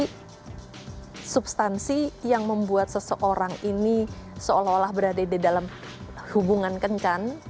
ini substansi yang membuat seseorang ini seolah olah berada di dalam hubungan kencan